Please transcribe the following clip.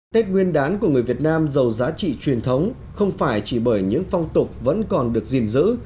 tết nguyên đán của người việt nam giàu giá trị truyền thống không phải chỉ bởi những phong tục vẫn còn được gìn giữ